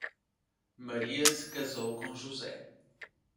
Maria se casou com José.